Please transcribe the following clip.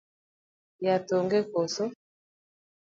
Yath onge koso?